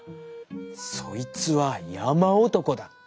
そいつはやまおとこだ。